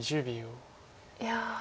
いや。